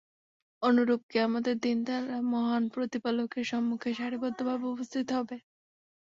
অনুরূপ কিয়ামতের দিন তারা মহান প্রতিপালকের সম্মুখে সারিবদ্ধভাবে উপস্থিত হবে।